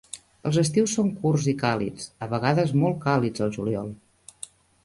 Els estius són curts i càlids, a vegades molt càlids el juliol.